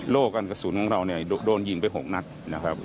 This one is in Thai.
โลกอันกระสุนของเราโดนยิงไป๖นัดนะครับ